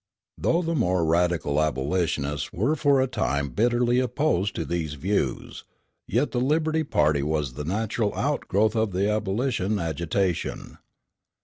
Though the more radical abolitionists were for a time bitterly opposed to these views, yet the Liberty party was the natural outgrowth of the abolition agitation.